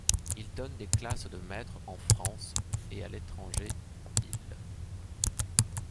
Il donne des classes de maître en France et à l'étranger il.